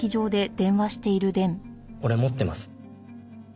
俺持ってます。